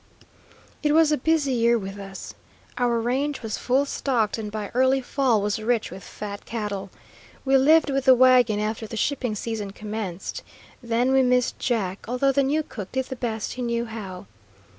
It was a busy year with us. Our range was full stocked, and by early fall was rich with fat cattle. We lived with the wagon after the shipping season commenced. Then we missed Jack, although the new cook did the best he knew how.